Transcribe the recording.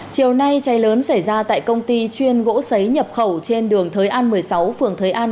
chiều nay cháy lớn xảy ra tại công ty chuyên gỗ sấy nhập khẩu trên đường thới an một mươi sáu phường thới an